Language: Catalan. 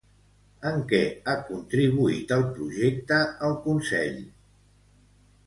En què ha contribuït al projecte el Consell?